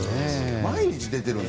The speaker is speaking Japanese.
毎日出てるので。